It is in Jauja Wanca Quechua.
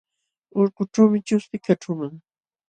Urkuućhuumi chuspi kaćhuuman.